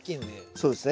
そうですね。